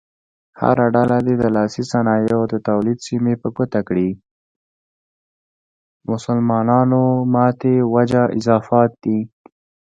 مسلمانانو ماتې وجه اضافات دي.